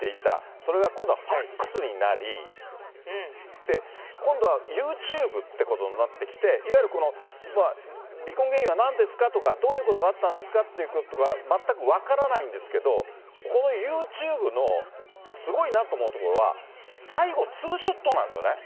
それが今度はファックスになり、今度はユーチューブってことになってきて、いわゆるこの、離婚原因はなんですかとか、どういうことがあったんですかということが全く分からないんですけど、このユーチューブのすごいなと思うところは、最後、ツーショットなんですよね。